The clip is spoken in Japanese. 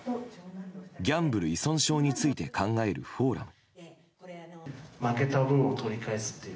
ギャンブル依存症について考えるフォーラム。